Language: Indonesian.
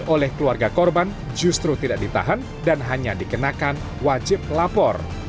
oleh keluarga korban justru tidak ditahan dan hanya dikenakan wajib lapor